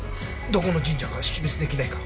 どこの神社か識別出来ないか？